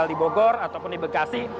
yang tinggal di bogor ataupun di bekasi